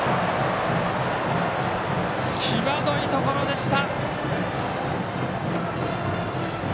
際どいところでした。